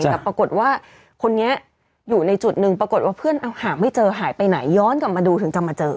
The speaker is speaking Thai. แต่ปรากฏว่าคนนี้อยู่ในจุดหนึ่งปรากฏว่าเพื่อนเอาหาไม่เจอหายไปไหนย้อนกลับมาดูถึงจะมาเจอ